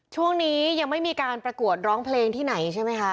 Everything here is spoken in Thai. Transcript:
ช่วงนี้ยังไม่มีการประกวดร้องเพลงที่ไหนใช่ไหมคะ